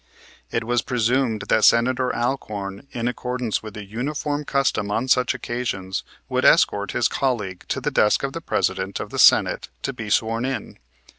It was presumed that Senator Alcorn, in accordance with the uniform custom on such occasions, would escort his colleague to the desk of the President of the Senate to be sworn in.